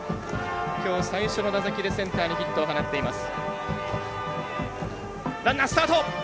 きょう、最初の打席でセンターにヒットを放っています。